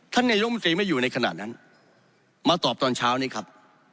นายมนตรีไม่อยู่ในขณะนั้นมาตอบตอนเช้านี้ครับ